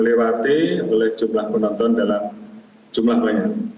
dilewati oleh jumlah penonton dalam jumlah banyak